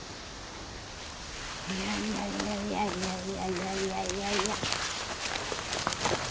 いやいやいやいや。